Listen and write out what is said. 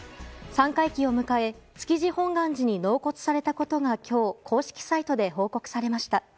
三回忌を迎え築地本願寺に納骨されたことが今日、公式サイトで報告されました。